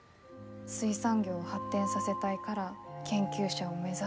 水産業を発展させたいから研究者を目指すとか。